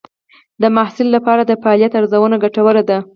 د محصل لپاره د فعالیت ارزونه ګټوره ده.